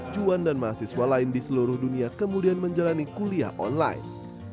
juan dan mahasiswa lain di seluruh dunia kemudian menjalani kuliah online